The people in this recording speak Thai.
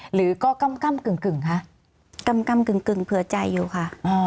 หรือก็กำกำกึ่งกึ่งคะกำกำกึ่งกึ่งเผื่อใจอยู่ค่ะ